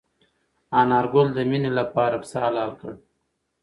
انارګل د مېنې لپاره پسه حلال کړ.